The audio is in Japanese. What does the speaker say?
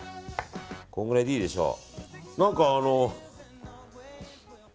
このぐらいでいいでしょう。